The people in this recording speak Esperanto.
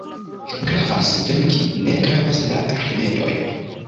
Gravas venki, ne gravas la rimedoj.